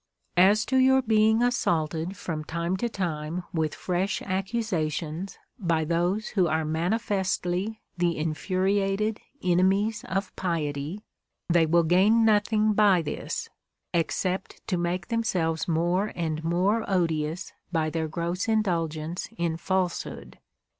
As to your being assaulted from time to time with fresh accusations by those who are manifestly the infuriated ene mies of piety, they will gain nothing by this, except to make themselves more and more odious by their gross indulgence in falsehood.